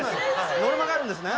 ノルマがあるんですね。